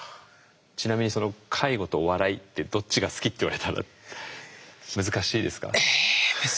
ちなみにその介護とお笑いってどっちが好きって言われたら難しいですか？